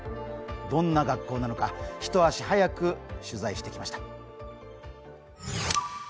どんな学校なのか一足早く取材してきました。